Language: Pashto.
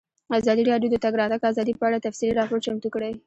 ازادي راډیو د د تګ راتګ ازادي په اړه تفصیلي راپور چمتو کړی.